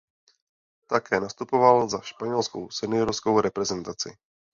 Také nastupoval za španělskou seniorskou reprezentaci.